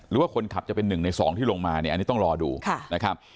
หรือว่าคนขับจะเป็น๑ใน๒ที่ลงมาเนี่ยอันนี้ต้องรอดูนะครับ